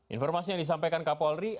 informasi yang disampaikan kapolri